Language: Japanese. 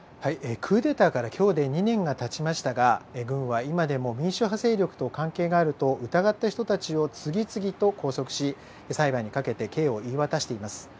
クーデターから今日で２年がたちましたが軍は今でも民主派勢力と関係があると疑った人たちを次々と拘束し裁判にかけて刑を言い渡しています。